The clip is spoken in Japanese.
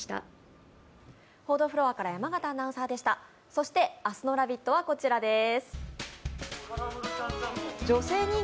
そして、明日の「ラヴィット！」はこちらです。